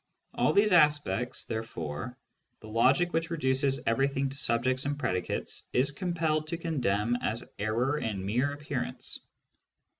All these aspects, therefore, the logic which reduces everything to subjects and predicates is compelled to condemn as error and mere appearance.